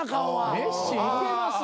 メッシいけます？